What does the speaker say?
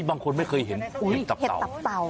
บางคนไม่เคยเห็นเห็ดตับเต่า